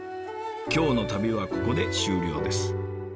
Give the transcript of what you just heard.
今日の旅はここで終了です。